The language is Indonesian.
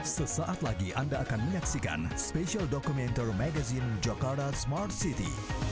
sesaat lagi anda akan menyaksikan spesial dokumenter magazine jakarta smart city